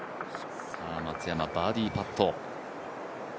松山、バーディーパット。